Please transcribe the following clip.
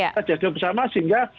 kita jaga bersama sehingga